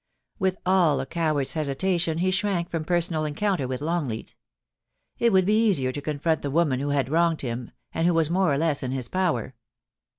With all a coward's hesitation he shrank from personal en counter with Longleat ; it would be easier to confront the woman who had wronged him, and who was more or less in his power.